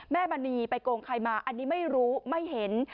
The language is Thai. มณีไปโกงใครมาอันนี้ไม่รู้ไม่เห็น